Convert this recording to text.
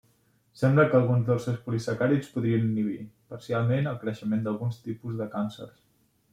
Sembla que alguns dels seus polisacàrids podrien inhibir, parcialment, el creixement d'alguns tipus de càncers.